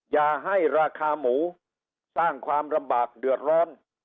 อย่าให้ราคาหมูสร้างความลำบากเดือดร้อน